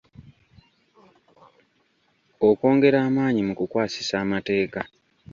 Okwongera amaanyi mu kukwasisa amateeka.